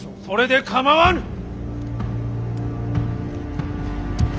それで構わぬ。